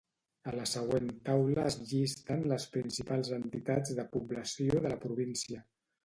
A la següent taula es llisten les principals entitats de població de la província.